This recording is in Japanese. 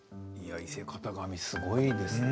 伊勢型紙すごいですね